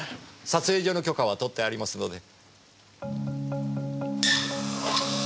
撮影所の許可は取ってありますので。